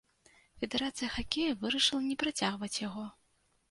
Федэрацыя хакея вырашыла не працягваць яго.